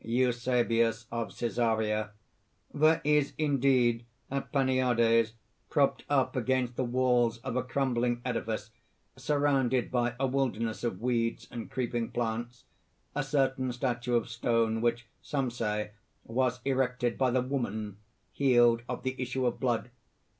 EUSEBIUS OF CÆSAREA. "There is indeed, at Paneades, propped up against the walls of a crumbling edifice surrounded by a wilderness of weeds and creeping plants, a certain statue of stone which, some say, was erected by the Woman healed of the issue of blood.